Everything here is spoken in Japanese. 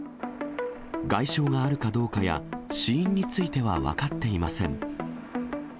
外傷があるかどうかや、死因については分かっていません。